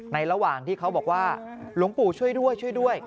ระหว่างที่เขาบอกว่าหลวงปู่ช่วยด้วยช่วยด้วย